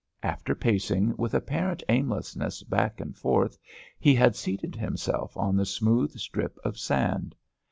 After pacing with apparent aimlessness back and forward, he had seated himself on the smooth strip of sand.